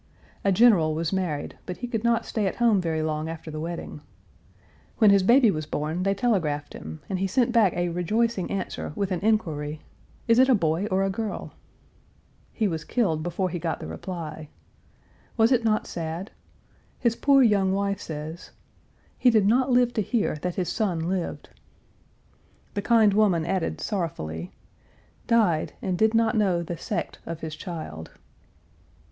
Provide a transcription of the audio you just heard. A general was married but he could not stay at home very long after the wedding. When his baby was born they telegraphed him, and he sent back a rejoicing answer with an inquiry, "Is it a boy or a girl?" He was killed before he got the reply. Was it not sad? His poor young wife says, "He did not live to hear that his son lived." The kind woman added, sorrowfully, "Died and did not know the sect of his child."